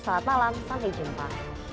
selamat malam sampai jumpa